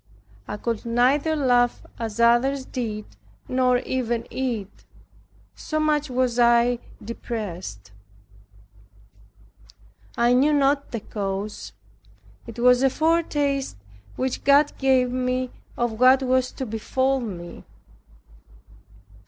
I could neither laugh as others did, nor even eat; so much was I depressed. I knew not the cause. It was a foretaste which God gave me of what was to befall me.